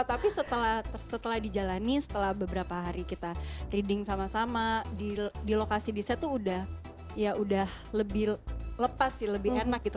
tapi setelah dijalani setelah beberapa hari kita reading sama sama di lokasi di set tuh udah ya udah lebih lepas sih lebih enak gitu